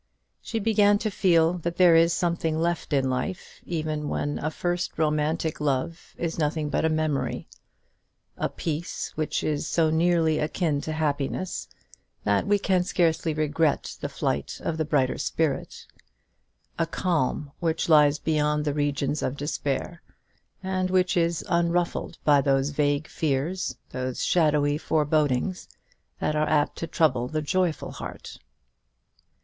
She began to feel that there is something left in life even when a first romantic love is nothing but a memory; a peace which is so nearly akin to happiness, that we scarcely regret the flight of the brighter spirit; a calm which lies beyond the regions of despair, and which is unruffled by those vague fears, those shadowy forebodings, that are apt to trouble the joyful heart.